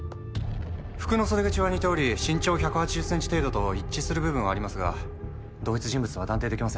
服の袖口は似ており身長１８０ｃｍ程度と一致する部分はありますが同一人物とは断定できません。